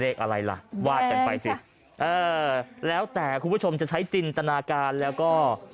เลขอะไรล่ะวาดกันไปสิเออแล้วแต่คุณผู้ชมจะใช้จินตนาการแล้วก็